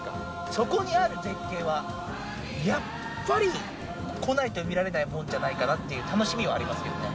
そこにある絶景は、やっぱり来ないと見られないもんじゃないかなという、楽しみはありますよね。